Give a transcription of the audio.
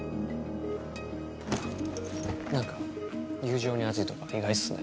何か友情に厚いとか意外っすね。